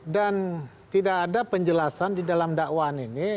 dan tidak ada penjelasan di dalam dakwaan ini